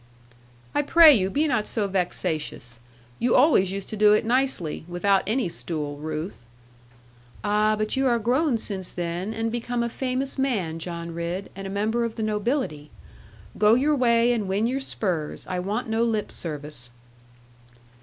'I pray you be not so vexatious; you always used to do it nicely, without any stool, Ruth.' 'Ah, but you are grown since then, and become a famous man, John Ridd, and a member of the nobility. Go your way, and win your spurs. I want no lip service.'